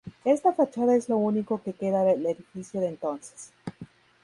Esta fachada es lo único que queda del edificio de entonces.